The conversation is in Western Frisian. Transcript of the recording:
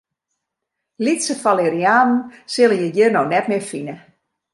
Lytse falerianen sille je hjir no net mear fine.